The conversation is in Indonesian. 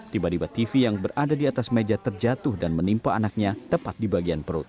tiba tiba tv yang berada di atas meja terjatuh dan menimpa anaknya tepat di bagian perut